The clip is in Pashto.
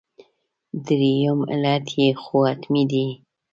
درېیم علت یې خو حتمي دی.